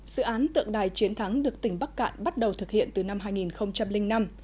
dự án tượng đài chiến thắng được tỉnh bắc cạn bắt đầu thực hiện từ năm hai nghìn năm